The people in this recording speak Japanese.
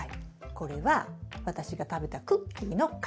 これは私が食べたクッキーの缶。